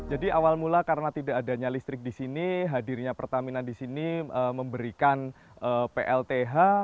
awal mula karena tidak adanya listrik di sini hadirnya pertamina di sini memberikan plth